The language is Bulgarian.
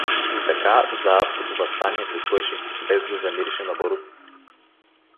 И така Заарското въстание се свърши, без да замирише на барут.